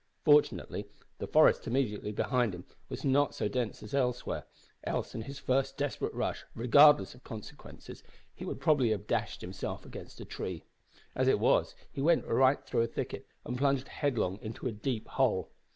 Fortunately the forest immediately behind him was not so dense as elsewhere, else in his first desperate rush, regardless of consequences, he would probably have dashed himself against a tree. As it was he went right through a thicket and plunged headlong into a deep hole.